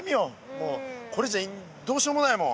もうこれじゃどうしようもないもん。